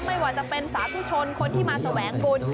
ไม่ว่าจะเป็นสาธุชนคนที่มาแสวงบุญ